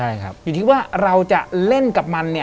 อยู่ที่ว่าเราจะเล่นกับมัน